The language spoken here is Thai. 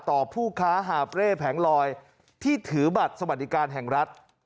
ผู้ค้าหาบเร่แผงลอยที่ถือบัตรสวัสดิการแห่งรัฐ